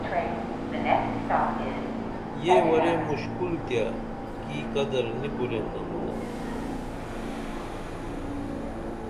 یہ ورے مُشکولی تیہ کی قدر نی کُرین امونہ